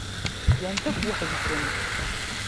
Gan-t akk weḥd-sen.